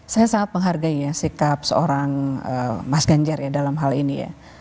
saya sangat menghargai sikap seorang mas ganjar dalam hal ini